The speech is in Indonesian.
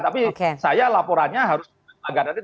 tapi saya laporannya harus dipelanggaran